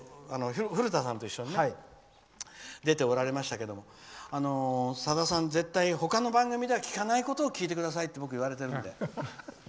古田さんと一緒に出ておられましたけどさださん、絶対他の番組では聞かないことを聞いてくださいって僕、言われてるので。